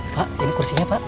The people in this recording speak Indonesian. pak ini kursinya pak